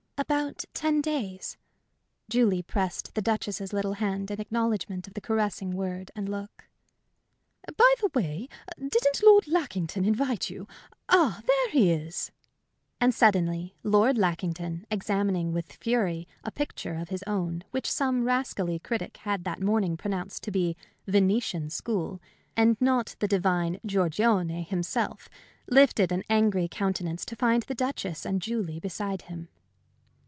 "About ten days." Julie pressed the Duchess's little hand in acknowledgment of the caressing word and look. "By the way, didn't Lord Lackington invite you? Ah, there he is!" And suddenly, Lord Lackington, examining with fury a picture of his own which some rascally critic had that morning pronounced to be "Venetian school" and not the divine Giorgione himself, lifted an angry countenance to find the Duchess and Julie beside him.